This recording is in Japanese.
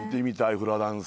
フラダンス。